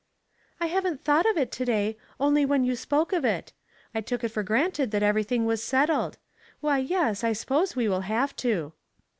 ''" I haven't thought of it to day only when you spoke of it. I took it for granted that everything was settled. Why, yes, I suppose we will have to."